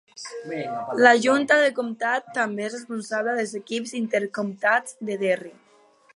La junta del comtat també és responsable dels equips inter-comtats de Derry.